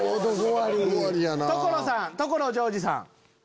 所さん所ジョージさん。